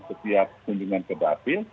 setiap keundungan ke bafil